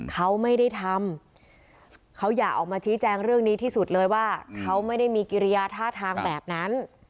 เขาไม่ได้ทำเขาอยากออกมาชี้แจงเรื่องนี้ที่สุดเลยว่าเขาไม่ได้มีกิริยาท่าทางแบบนั้น